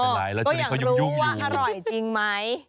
ก็อยากรู้ว่าอร่อยจริงไหม